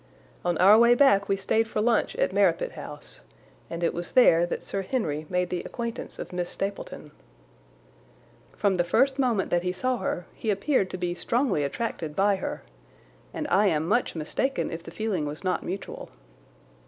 On our way back we stayed for lunch at Merripit House, and it was there that Sir Henry made the acquaintance of Miss Stapleton. From the first moment that he saw her he appeared to be strongly attracted by her, and I am much mistaken if the feeling was not mutual.